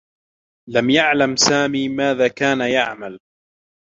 لم يعلم سامي ماذا كان يعمل.